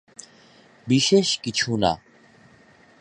বিশেষ কিছু না।